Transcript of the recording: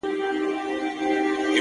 • هره ورځ یې وي مرگی زموږ له زوره,